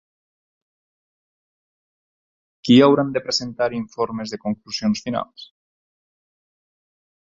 Qui hauran de presentar informes de conclusions finals?